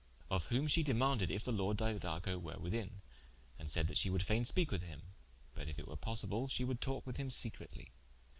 Of whom she demaunded if the Lord Didaco were within, and saide that she would faine speake with him: but if it were possible she would talke with him secretly.